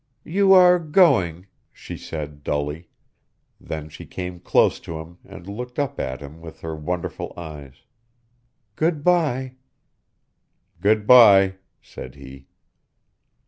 "You are going," she said, dully. Then she came close to him and looked up at him with her wonderful eyes. "Good by." "Good by," said he.